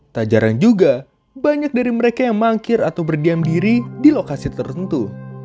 tak jarang juga banyak dari mereka yang mangkir atau berdiam diri di lokasi tertentu